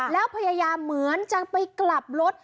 แล้วพยายามเหมือนจะไปกลับรถ